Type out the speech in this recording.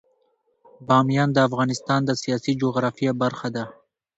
بامیان د افغانستان د سیاسي جغرافیه برخه ده.